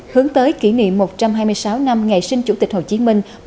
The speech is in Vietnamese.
hướng tới kỷ niệm một trăm hai mươi sáu năm ngày sinh chủ tịch hồ chí minh